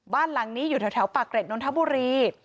บ้านหลังนี้อยู่แถวปากเกร็ดนนทบุรี